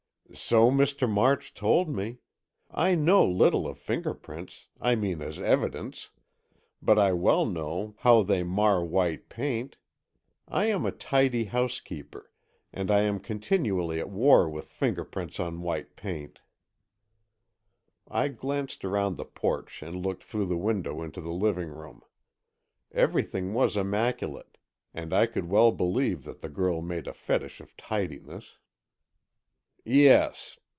"So Mr. March told me. I know little of fingerprints—I mean as evidence—but I well know how they mar white paint. I am a tidy housekeeper, and I am continually at war with fingerprints on white paint." I glanced around the porch and looked through the window into the living room. Everything was immaculate and I could well believe that the girl made a fetish of tidiness. "Yes.